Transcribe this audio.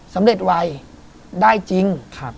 สำเร็จไวได้จริง